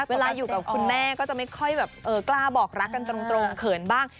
เวลาอยู่กับคุณแม่ก็จะไม่ค่อยแบบกล้าบอกรักกันตรงเขินบ้าง